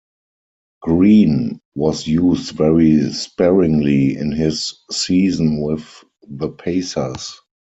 Greene was used very sparingly in his season with the Pacers.